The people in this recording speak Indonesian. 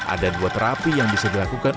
ada dua terapi yang bisa dilakukan